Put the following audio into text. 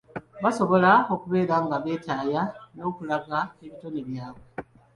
Basobola okubeera nga beetaaya n’okulaga ebitone byabwe.